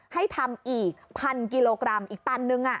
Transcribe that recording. ให้ทำอีกพันกิโลกรัมอีกตันนึง